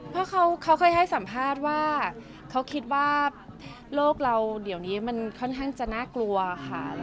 เพราะเขาเคยให้สัมภาษณ์ว่าเขาคิดว่าโลกเราเดี๋ยวนี้มันค่อนข้างจะน่ากลัวค่ะ